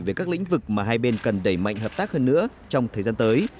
về các lĩnh vực mà hai bên cần đẩy mạnh hợp tác hơn nữa trong thời gian tới